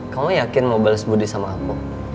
kamu yakin mau bales budi sama aku